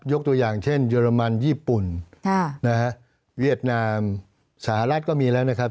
ตัวอย่างเช่นเยอรมันญี่ปุ่นเวียดนามสหรัฐก็มีแล้วนะครับ